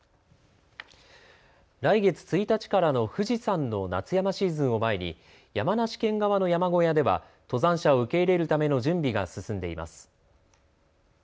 来月１日からの富士山の夏山シーズンを前に山梨県側の山小屋では登山者を受け入れるための準備が進んでいます。